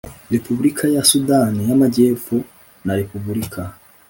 Repubulika ya Sudani y Amajyepfo na Repubulika